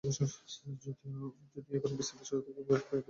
যদিও এবার বিসিবি শুরু থেকেই বেশ কয়েকজন বোলারের বিরুদ্ধে ব্যবস্থা নিয়েছে।